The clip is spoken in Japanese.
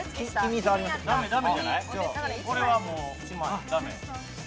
これはもう１枚ダメ？